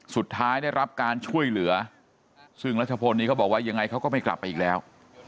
สุดท้ายได้รับการช่วยเหลือซึ่งรัชพลนี้เขาบอกว่ายังไงเขาก็ไม่กลับไปอีกแล้ว